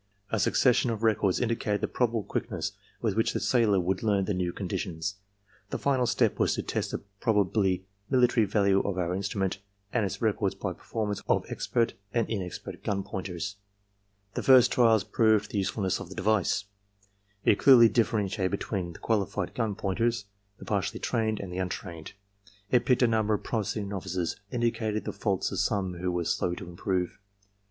A succession of records in dicated the probable quickness with which the sailor would learn the new coordinations. The final step was to test the probably military value of our instrument and its records by performances of expert and inexpert gun pointers. "The first trials proved the usefulness of the device. It clearly differentiated between the qualified gun pointers, the partially trained, and the untrained. It picked a number of promising novices and indicated the faults of some who were slow to improve.